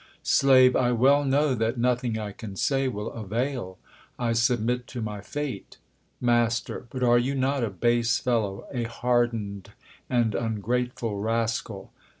Slave, I well know that nothing I can say will avail. I submit to my fate. Mast. But are you not a base fellow, a hardened and ungrateful rascal